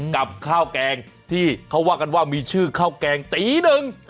กับข้าวแกงที่เขาว่ากันว่ามีชื่อข้าวแกงตีหนึ่ง